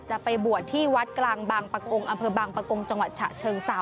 จะไปบวชที่วัดกลางบางปะโก้งอบางปะโก้งจฉะเชิงเสา